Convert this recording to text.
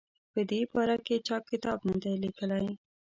په دې باره کې چا کتاب نه دی لیکلی.